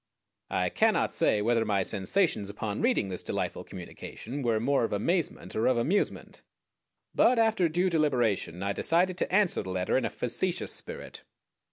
I cannot say whether my sensations upon reading this delightful communication were more of amazement or of amusement, but after due deliberation I decided to answer the letter in a facetious spirit.